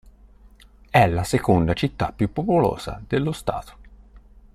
È la seconda città più popolosa dello Stato.